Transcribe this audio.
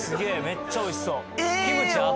めっちゃおいしそうええー